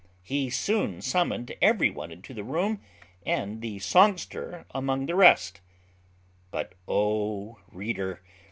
He soon summoned every one into the room, and the songster among the rest; but, O reader!